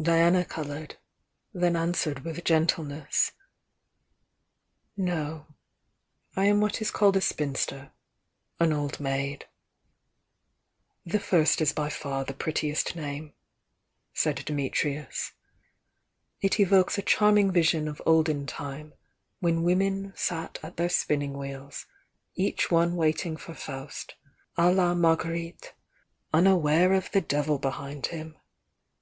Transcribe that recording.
Diana coloured — then answered with gentleness: "No. I am what is called a spinster, — an old maid." "The first is by far the prettiest name," said Di mitrius. "It evokes a charming vision of olden time when women sat at their spinning wheels, each one waiting for Faust, d la Marguerite, unaware of the Devil behind him!